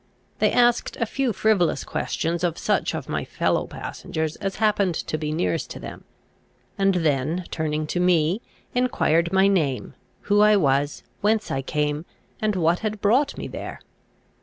They asked a few frivolous questions of such of my fellow passengers as happened to be nearest to them; and then, turning to me, enquired my name, who I was, whence I came, and what had brought me there?